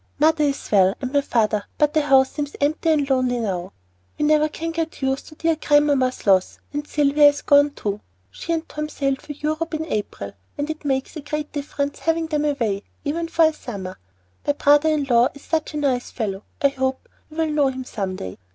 Mother is well and my father, but the house seems empty and lonely now. We can never get used to dear grandmamma's loss, and Sylvia is gone too. She and Tom sailed for Europe in April, and it makes a great difference having them away, even for a summer. My brother in law is such a nice fellow, I hope you will know him some day.